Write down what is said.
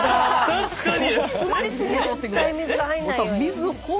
確かに。